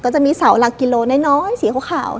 ก็จะมีเสาหลักกิโลน้อยสีขาวหนึ่ง